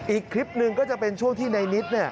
อีกคลิปหนึ่งก็จะเป็นช่วงที่ในนิด